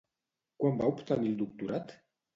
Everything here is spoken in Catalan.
Quan va obtenir el doctorat?